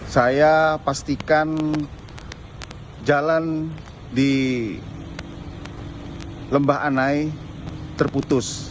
saya pastikan jalan di lembah anai terputus